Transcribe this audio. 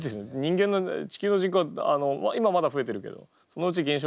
地球の人口は今まだ増えてるけどそのうち減少しますよ